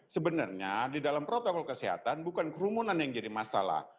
sebenarnya di dalam protokol kesehatan bukan kerumunan yang jadi masalah